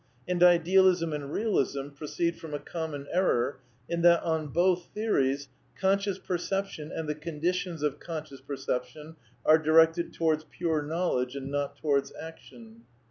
And Idealism and Eealism proceed from a common error, y j in that, on both theories, "conscious perception and the/ ^' conditions of conscious perception are directed towards >"* pure knowledge, not towards action."